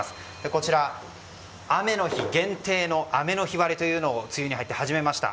こちら、雨の日限定の雨の日割というのを梅雨に入って始めました。